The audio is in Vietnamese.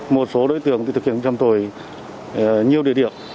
một số đối tượng thực hiện trầm tồi nhiều địa điểm